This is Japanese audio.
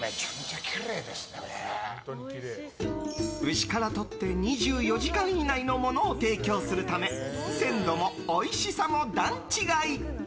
牛からとって２４時間以内のものを提供するため鮮度もおいしさも段違い！